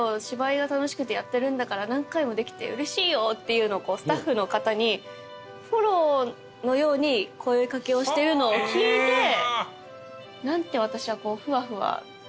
「芝居が楽しくてやってるんだから何回もできてうれしいよ」っていうのをスタッフの方にフォローのように声掛けをしてるのを聞いて。